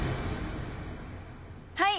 はい！